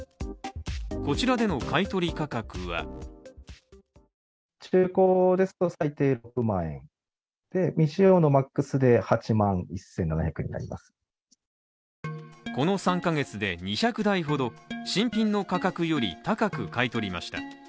こちらでの買い取り価格はこの３か月で２００台ほど新品の価格より高く買い取りました。